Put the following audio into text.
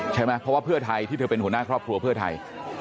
ใช่ไหมเพราะว่าเพื่อไทยที่เธอเป็นหัวหน้าครอบครัวเพื่อไทย